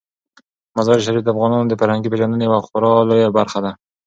مزارشریف د افغانانو د فرهنګي پیژندنې یوه خورا لویه برخه ده.